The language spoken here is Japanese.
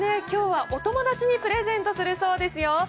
今日はお友達にプレゼントするそうですよ。